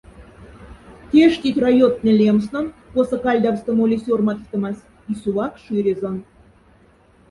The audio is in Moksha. Тяштить райоттнень лемснон, коса кальдявста моли сёрматфтомась, и сувак ширезон.